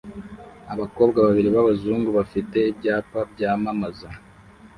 Abakobwa babiri b'abazungu bafite ibyapa byamamaza